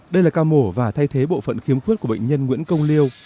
đây là ca mổ và thay thế bộ phận khiếm khuyết của bệnh nhân nguyễn công liêu